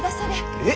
えっ！